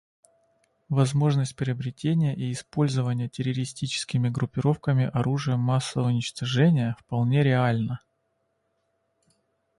Возможность приобретения и использования террористическими группировками оружия массового уничтожения вполне реальна.